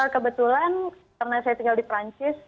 kebetulan karena saya tinggal di perancis